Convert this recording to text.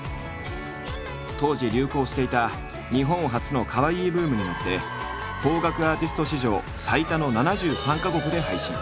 当時流行していた日本発のカワイイブームに乗って邦楽アーティスト史上最多の７３か国で配信。